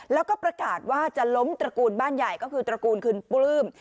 แล้วก็ประกาศว่าจะล้มตระกูลบ้านใหญ่ก็คือตระกูลคืนปลื้ม